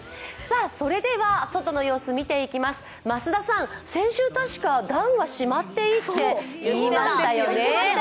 それでは、外の様子見ていきます、増田さん増田さん、先週、たしかダウンはしまっていいって言っていましたよね？